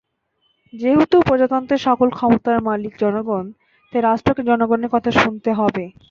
যেহেতু প্রজাতন্ত্রের সকল ক্ষমতার মালিক জনগণ, তাই রাষ্ট্রকে জনগণের কথা শুনতে হবে।